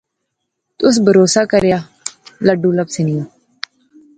تس بھروسہ کرا